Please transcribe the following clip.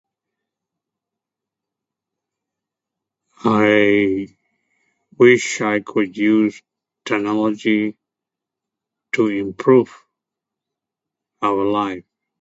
I wish I could use technology to improve our life.